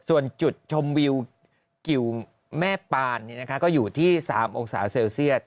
ส่วนจุดชมวิวเกี่ยวแม่ปาลก็อยู่ที่๓องศาเซ